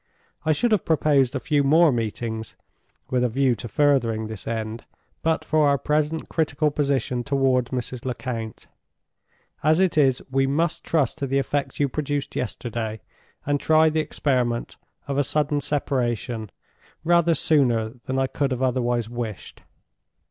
I should have proposed a few more meetings, with a view to furthering this end, but for our present critical position toward Mrs. Lecount. As it is, we must trust to the effect you produced yesterday, and try the experiment of a sudden separation rather sooner than I could have otherwise wished.